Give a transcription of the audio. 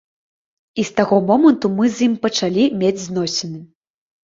І з таго моманту мы з ім пачалі мець зносіны.